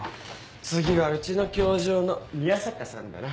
次はうちの教場の宮坂さんだな。